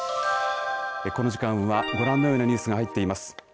この時間は、ご覧のようなニュースが入っています。